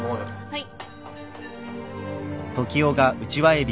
はい。